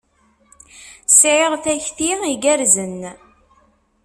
Sɛiɣ takti igerrzen.